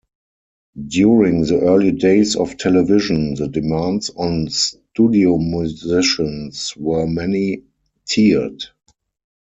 During the early days of television, the demands on studio musicians were many-tiered.